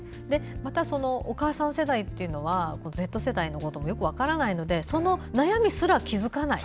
また、お母さん世代というのはＺ世代のこともよく分からないのでその悩みすら気付かない。